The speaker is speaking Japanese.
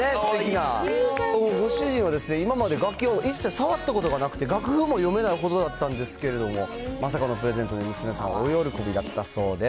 ご主人は今まで楽器を一切触ったことがなくて、楽譜も読めないほどだったんですけど、まさかのプレゼントに娘さん、大喜びだったそうです。